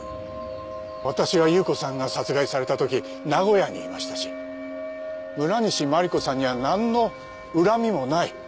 わたしは夕子さんが殺害されたとき名古屋にいましたし村西麻里子さんには何の恨みもない。